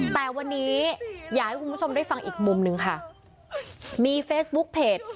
แต่วันนี้อยากให้คุณผู้ชมได้ฟังอีกมุมหนึ่งค่ะมีเฟซบุ๊กเพจ